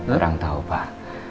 kurang tahu pak